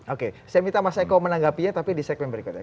oke saya minta mas eko menanggapinya tapi di segmen berikutnya